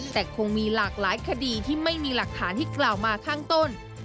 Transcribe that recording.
แต่คงมีหลากหลายคดีที่ไม่มีหลักฐานที่กล่าวมาข้างต้น